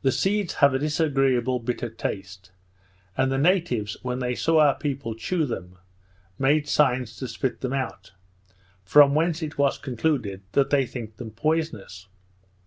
The seeds have a disagreeable bitter taste; and the natives, when they saw our people chew them, made signs to spit them out; from whence it was concluded that they think them poisonous.